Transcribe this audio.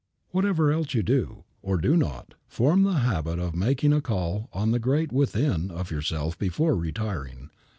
Whatever else you do, or do not, form the habit of making a call on the Great Within of yourself before retiring.